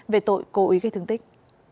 về tội cố ý gây thương tích